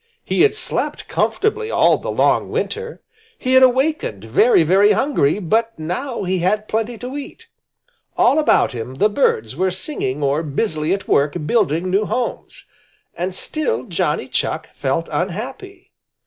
He had slept comfortably all the long winter. He had awakened very, very hungry, but now he had plenty to eat. All about him the birds were singing or busily at work building new homes. And still Johnny Chuck felt unhappy.